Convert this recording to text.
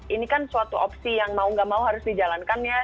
ini kan suatu opsi yang mau gak mau harus dijalankan ya